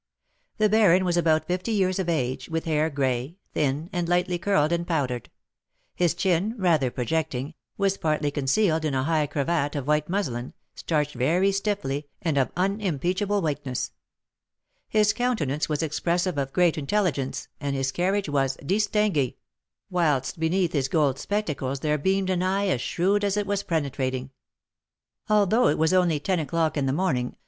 The baron was about fifty years of age, with hair gray, thin, and lightly curled and powdered. His chin, rather projecting, was partly concealed in a high cravat of white muslin, starched very stiffly, and of unimpeachable whiteness. His countenance was expressive of great intelligence, and his carriage was distingué; whilst beneath his gold spectacles there beamed an eye as shrewd as it was penetrating. Although it was only ten o'clock in the morning, M.